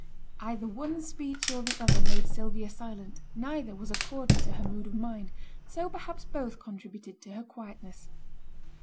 Either one speech or the other made Sylvia silent; neither was accordant to her mood of mind; so perhaps both contributed to her quietness.